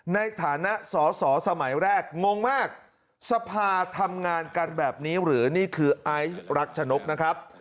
ในฐานะสอสอสมัยแรกงงมากสภาทำงานกันแบบนี้หรือนี่คือไอซ์รักชนกนะครับ